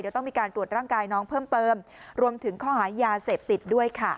เดี๋ยวต้องมีการตรวจร่างกายน้องเพิ่มเติมรวมถึงข้อหายาเสพติดด้วยค่ะ